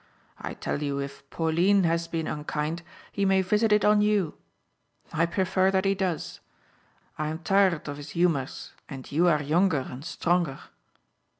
I tell you if Pauline has been unkind he may visit it on you. I prefer that he does. I am tired of his humours and you are younger and stronger."